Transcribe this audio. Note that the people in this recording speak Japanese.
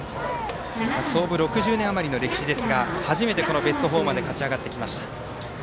創部６０年余りの歴史ですが初めてベスト４まで勝ち上がってきました。